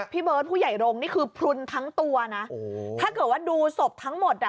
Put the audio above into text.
พี่เบิร์ตผู้ใหญ่โรงนี่คือพลุนทั้งตัวนะโอ้โหถ้าเกิดว่าดูศพทั้งหมดอ่ะ